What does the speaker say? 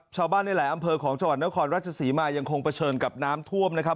ชาวบ้านในหลายอำเภอของจังหวัดนครราชศรีมายังคงเผชิญกับน้ำท่วมนะครับ